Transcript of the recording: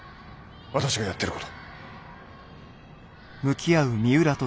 私がやってる事。